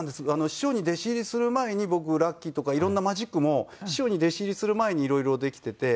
師匠に弟子入りする前に僕ラッキーとか色んなマジックも師匠に弟子入りする前に色々できていて。